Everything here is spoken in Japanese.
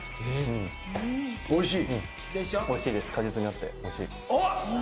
おいしい。